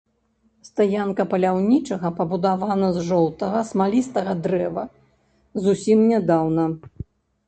Стаянка паляўнічага пабудавана з жоўтага смалістага дрэва зусім нядаўна.